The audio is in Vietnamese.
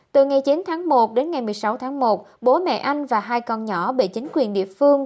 từ ngày chín tháng một đến ngày một mươi sáu tháng một bố mẹ anh và hai con nhỏ bị chính quyền địa phương